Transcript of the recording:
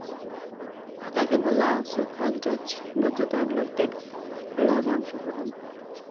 তাকে বলল, আউস ও খাজরাজ গোত্রদ্বয়ের লোকদের আল্লাহ ধ্বংস করুন।